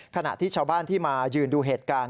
ขณะที่ชาวบ้านที่มายืนดูเหตุการณ์